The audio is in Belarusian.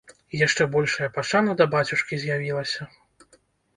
І яшчэ большая пашана да бацюшкі з'явілася.